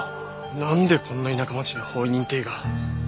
なんでこんな田舎町に法医認定医が？